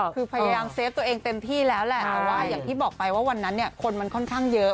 คือพยายามเซฟตัวเองเต็มที่แล้วแหละแต่ว่าอย่างที่บอกไปว่าวันนั้นเนี่ยคนมันค่อนข้างเยอะ